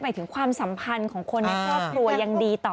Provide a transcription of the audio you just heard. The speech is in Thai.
หมายถึงความสัมพันธ์ของคนในครอบครัวยังดีต่อ